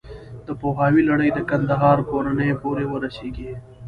د پوهاوي لړۍ د کندهار کورنیو پورې ورسېږي.